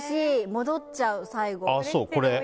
戻っちゃう、最後。